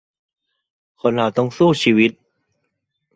คนเราต้องสู้ชีวิต